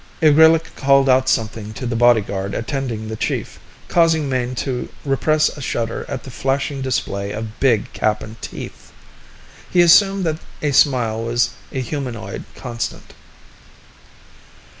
Igrillik called out something to the bodyguard attending the chief, causing Mayne to repress a shudder at the flashing display of big Kappan teeth. He assumed that a smile was a humanoid constant.